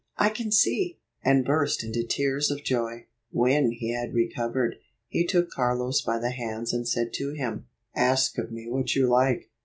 I can see!" and burst into tears of joy. When he had recovered, he took Carlos by the hands and said to him, "Ask of me what you like.